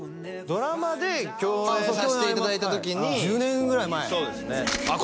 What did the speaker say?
ドラマで共演させていただいた時に１０年ぐらい前そうですねあっ